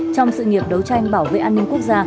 trong sự nghiệp đấu tranh bảo vệ an ninh quốc gia